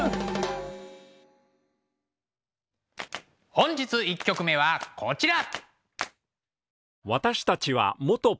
本日１曲目はこちら。